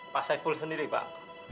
pak saiful sendiri pak